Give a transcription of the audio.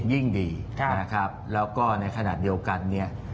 ยิ่งดีแล้วก็ในขณะเดียวกัน